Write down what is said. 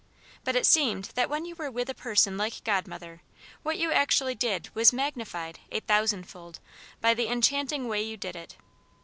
But it seemed that when you were with a person like Godmother, what you actually did was magnified a thousandfold by the enchanting way you did it.